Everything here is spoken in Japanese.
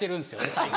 最近。